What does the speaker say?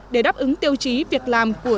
để đáp ứng tiêu chí việc làm của